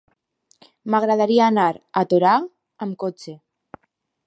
M'agradaria anar a Torà amb cotxe.